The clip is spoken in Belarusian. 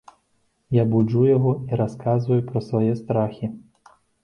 Я буджу яго і расказваю пра свае страхі.